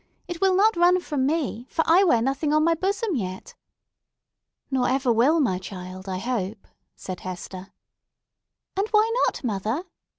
It will not flee from me—for I wear nothing on my bosom yet!" "Nor ever will, my child, I hope," said Hester. "And why not, mother?"